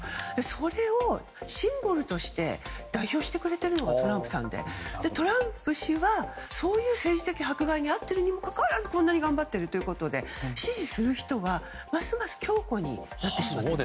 それをシンボルとして代表してくれているのがトランプさんで、トランプ氏はそういう政治的迫害に遭っているにもかかわらずこんなに頑張っているということで支持する人はますます強固になっていると。